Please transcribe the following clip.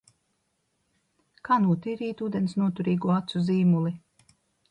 Kā notīrīt ūdensnoturīgo acu zīmuli?